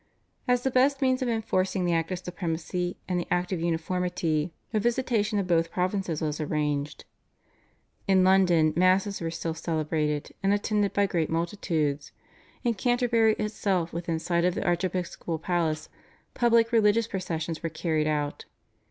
As the best means of enforcing the Act of Supremacy and the Act of Uniformity a visitation of both provinces was arranged. In London Masses were still celebrated, and attended by great multitudes; in Canterbury itself within sight of the archiepiscopal palace public religious processions were carried out.